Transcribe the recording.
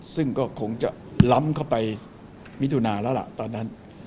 ซึ่งก็คงจะล้ำเข้าไปมิถุนาแล้วล่ะตอนนั้น